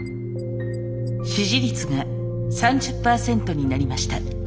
支持率が３０％になりました。